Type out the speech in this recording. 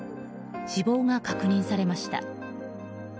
死亡が確認されました。